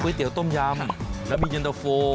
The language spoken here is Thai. เตี๋ยต้มยำแล้วมีเย็นตะโฟ